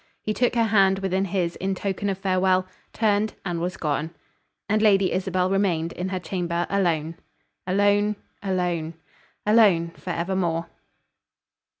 He took her hand within his in token of farewell; turned and was gone. And Lady Isabel remained in her chamber alone. Alone; alone! Alone for evermore!